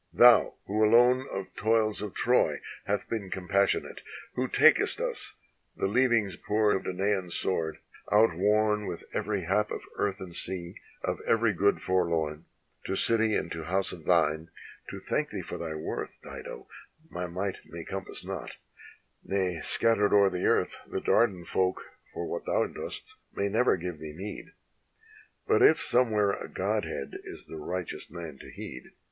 Thou, who alone of toils of Troy hast been compassion ate, Who takest us, the leavings poor of Danaan sword, out worn With every hap of earth and sea, of every good forlorn, To city and to house of thine: to thank thee to thy worth, Dido, my might may compass not; nay, scattered o'er the earth. The Dardan folk for what thou dost may never give thee meed: But if somewhere a godhead is the righteous man to heed.